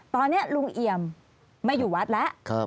ตอนนี้ลุงเอี่ยมไม่อยู่วัดแล้ว